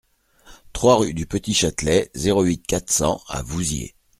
trois rue du Petit Châtelet, zéro huit, quatre cents à Vouziers